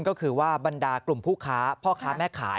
ก็คือว่าบรรดากลุ่มผู้ค้าพ่อค้าแม่ขาย